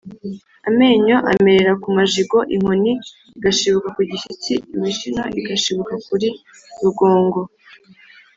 Amenyo amerera ku majigo, inkoni igashibuka ku gishyitsi, imishino igashibuka kuri rugongo.